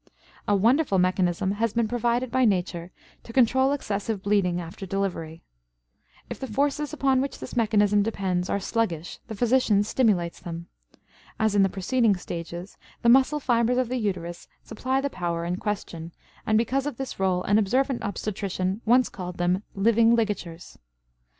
A wonderful mechanism has been provided by Nature to control excessive bleeding after delivery. If the forces upon which this mechanism depends are sluggish, the physician stimulates them. As in the preceding stages, the muscle fibers of the uterus supply the power in question, and because of this role an observant obstetrician once called them, "living ligatures."